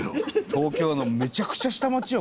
東京のめちゃくちゃ下町よ